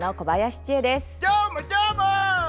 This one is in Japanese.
どーも、どーも！